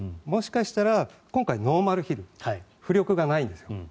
もしかしたら今回、ノーマルヒル浮力がないんですよ。